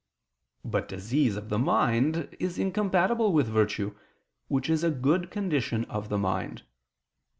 But disease of the mind is incompatible with virtue, which is a good condition of the mind.